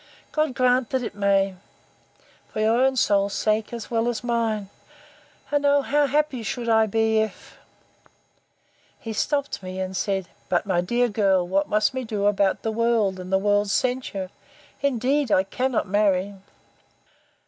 God grant it may, for your own soul's sake as well as mine. And oh! how happy should I be, if—— He stopt me, and said, But, my dear girl, what must we do about the world, and the world's censure? Indeed, I cannot marry!